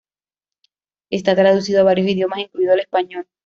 Está traducido a varios idiomas incluido el español.